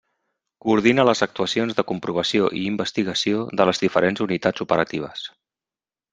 Coordina les actuacions de comprovació i investigació de les diferents unitats operatives.